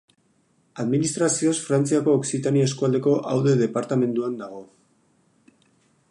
Administrazioz Frantziako Okzitania eskualdeko Aude departamenduan dago.